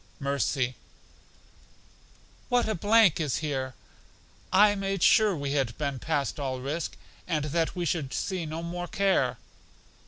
Mercy: What a blank is here! I made sure we had been past all risk, and that we should see no more care.